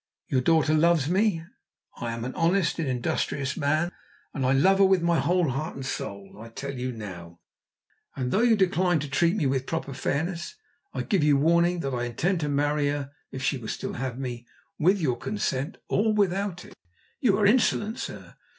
Your daughter loves me. I am an honest and an industrious man, and I love her with my whole heart and soul. I tell you now, and though you decline to treat me with proper fairness, I give you warning that I intend to marry her if she will still have me with your consent or without it!" "You are insolent, sir."